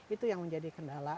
itu yang menjadi kendala